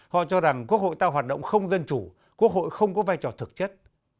họ cho rằng quốc hội ta hoạt động không dân chủ quốc hội không có vai trò thực chất